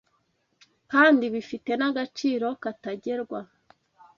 kandi bifite n’agaciro katagerwa